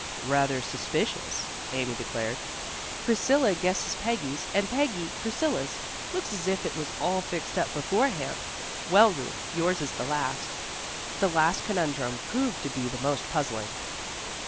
"Rather suspicious," Amy declared. "Priscilla guesses Peggy's, and Peggy, Priscilla's. Looks as if it was all fixed up beforehand. Well, Ruth, yours is the last." The last conundrum proved to be the most puzzling.